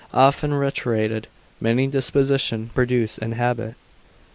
often reiterated; many dispositions produce an habit.